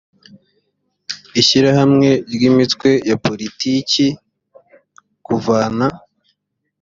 ishyirahamwe ry imitwe ya politiki kuvana